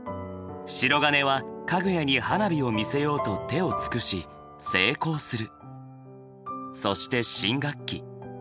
白銀はかぐやに花火を見せようと手を尽くし成功する。